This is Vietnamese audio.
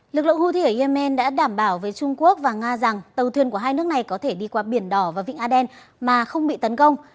lực lượng houthi ở yemen đã đảm bảo với trung quốc và nga rằng tàu thuyền của hai nước này có thể đi qua biển đỏ và vịnh aden mà không bị tấn công